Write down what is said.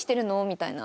みたいな。